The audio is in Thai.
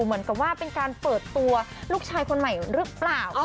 เหมือนกับว่าเป็นการเปิดตัวลูกชายคนใหม่หรือเปล่า